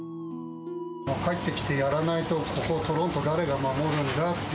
帰ってきてやらないと、このトロント、誰が守るんだって。